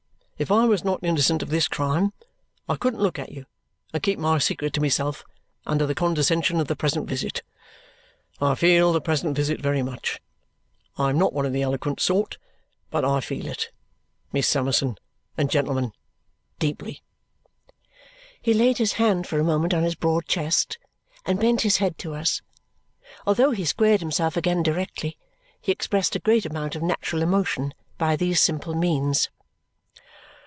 If I was not innocent of this crime, I couldn't look at you and keep my secret to myself under the condescension of the present visit. I feel the present visit very much. I am not one of the eloquent sort, but I feel it, Miss Summerson and gentlemen, deeply." He laid his hand for a moment on his broad chest and bent his head to us. Although he squared himself again directly, he expressed a great amount of natural emotion by these simple means.